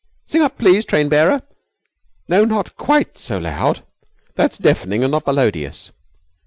Sing up, please, train bearer. No, not quite so loud. That's deafening and not melodious."